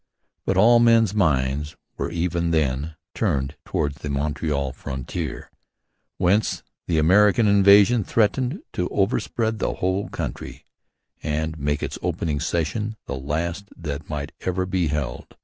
But all men's minds were even then turned towards the Montreal frontier, whence the American invasion threatened to overspread the whole country and make this opening session the last that might ever be held.